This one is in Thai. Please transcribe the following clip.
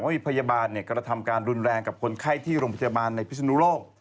พยาบาลกระทำการรุนแรงกับคนไข้ที่โรงพยาบาลในพิศนุโลก